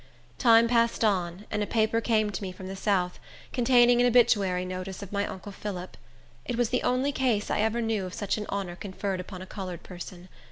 Time passed on, and a paper came to me from the south, containing an obituary notice of my uncle Phillip. It was the only case I ever knew of such an honor conferred upon a colored person.